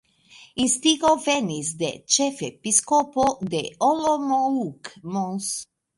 Instigo venis de ĉefepiskopo de Olomouc Mons.